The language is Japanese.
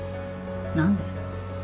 何で？